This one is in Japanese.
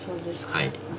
はい。